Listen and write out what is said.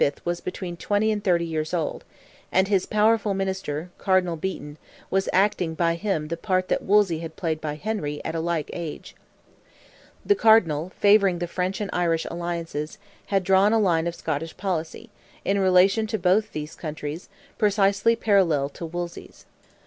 was between twenty and thirty years old, and his powerful minister, Cardinal Beaton, was acting by him the part that Wolsey had played by Henry at a like age. The Cardinal, favouring the French and Irish alliances, had drawn a line of Scottish policy, in relation to both those countries, precisely parallel to Wolsey's.